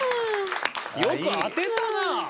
よく当てたな！